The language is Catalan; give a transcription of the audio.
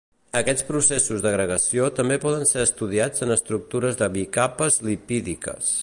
Aquests processos d'agregació també poden ser estudiats en estructures de bicapes lipídiques.